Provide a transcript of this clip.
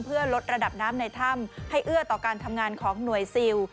เพื่อลดระดับน้ำในถ้ำให้เอื้อต่อการทำงานของหน่วยซิล